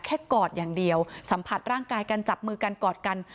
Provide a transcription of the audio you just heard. กอดอย่างเดียวสัมผัสร่างกายกันจับมือกันกอดกัน